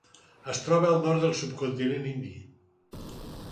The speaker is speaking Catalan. Es troba al nord del subcontinent indi.